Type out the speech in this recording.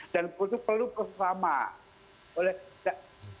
dan itu perlu keselamatan